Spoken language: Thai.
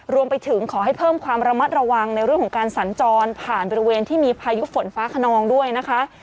รวมไปถึงขอให้เพิ่มความระมัดระวังในเรื่องของการสัญจรผ่านบริเวณที่มีพายุฝนฟ้าขนองด้วยนะคะ